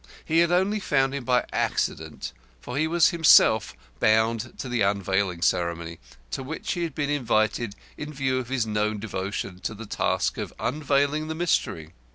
He had only found him by accident, for he was himself bound to the unveiling ceremony, to which he had been invited in view of his known devotion to the task of unveiling the Mystery.